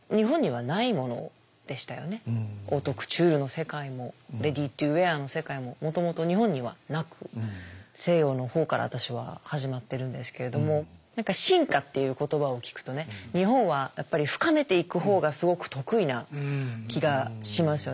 オートクチュールの世界もレディトゥウェアの世界ももともと日本にはなく西洋の方から私は始まってるんですけれども深化っていう言葉を聞くとね日本はやっぱり深めていく方がすごく得意な気がしますよね。